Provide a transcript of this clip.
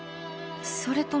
それとも。